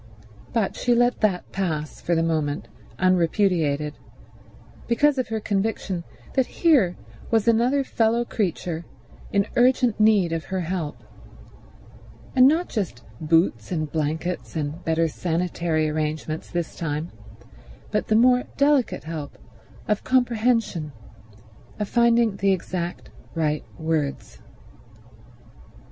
—but she let that pass for the moment unrepudiated, because of her conviction that here was another fellow creature in urgent need of her help; and not just boots and blankets and better sanitary arrangements this time, but the more delicate help of comprehension, of finding the exact right words.